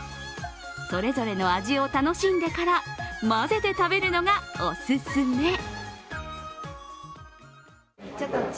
それぞれの味を楽しんでから混ぜて食べるのがおすすめ。